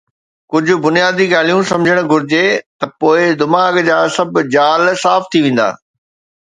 ڪجھه بنيادي ڳالھيون سمجھڻ گھرجي ته پوءِ دماغ جا سڀ جال صاف ٿي ويندا.